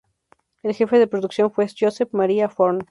El jefe de producción fue Josep Maria Forn.